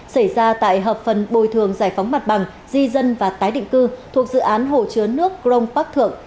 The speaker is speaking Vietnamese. xảy ra tại hợp phần bồi thường giải phóng mặt bằng di dân và tái định cư thuộc dự án hồ chứa nước crong park thượng